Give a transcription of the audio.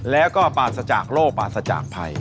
แล้วก็ปราศจากโลกปราศจากภัย